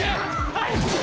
はい！